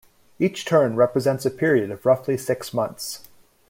Each turn represents a period of roughly six months.